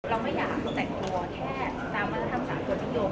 เราไม่อยากจะแต่งตัวแค่ตามรธรรมสามกฎมิโยค